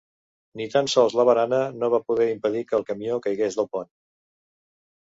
Ni tan sols la barana no va poder impedir que el camió caigués del pont.